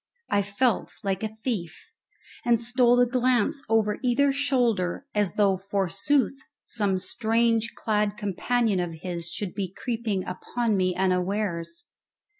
I felt like a thief, and stole a glance over either shoulder as though, forsooth, some strangely clad companion of his should be creeping upon me unawares.